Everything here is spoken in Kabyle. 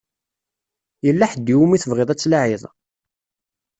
Yella ḥedd i wumi tebɣiḍ ad tlaɛiḍ?